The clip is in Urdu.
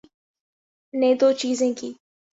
‘نے دوچیزیں کیں۔